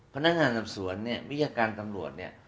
พนักงานสอบสวนเนี่ยวิชาการตำรวจเนี่ย